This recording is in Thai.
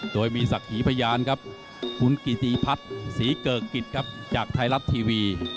โดยมีศักดิ์หีพยานครับคุณกิติพัฒน์ศรีเกิกกิจครับจากไทยรัฐทีวี